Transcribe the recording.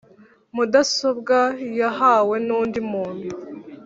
mudasobwa yahawe n undi muntu